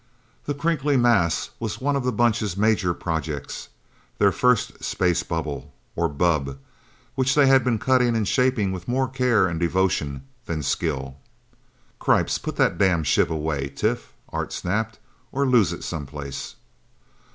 The crinkly mass was one of the Bunch's major projects their first space bubble, or bubb which they had been cutting and shaping with more care and devotion than skill. "Cripes put that damn shiv away, Tif!" Art snapped. "Or lose it someplace!"